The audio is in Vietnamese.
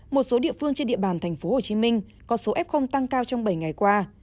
một số địa phương trên địa bàn thành phố hồ chí minh có số kf tăng cao trong bảy ngày qua